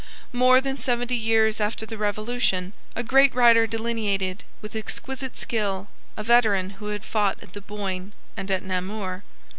More than seventy years after the Revolution, a great writer delineated, with exquisite skill, a veteran who had fought at the Boyne and at Namur.